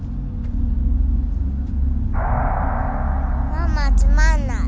ママつまんない。